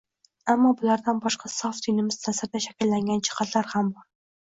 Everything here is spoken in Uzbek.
Ammo, bulardan boshqa – sof dinimiz ta’sirida shakllangan jihatlar ham bor.